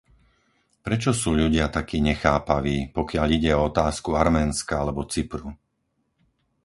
Prečo sú ľudia takí nechápaví, pokiaľ ide o otázku Arménska alebo Cypru?